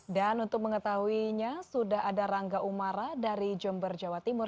dan untuk mengetahuinya sudah ada rangga umara dari jember jawa timur